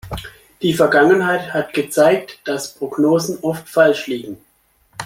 Die Vergangenheit hat gezeigt, dass Prognosen oft falsch liegen.